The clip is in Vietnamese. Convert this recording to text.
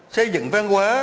xây dựng vang hóa